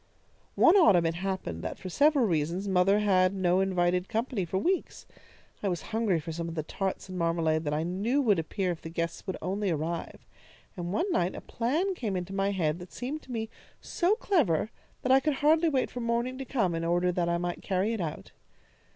"One autumn it happened that for several reasons mother had had no invited company for weeks. I was hungry for some of the tarts and marmalade that I knew would appear if the guests would only arrive, and one night a plan came into my head that seemed to me so clever that I could hardly wait for morning to come, in order that I might carry it out.